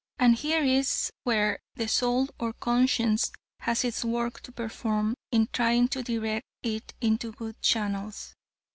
And here is where the soul or conscience has its work to perform, in trying to direct it into good channels.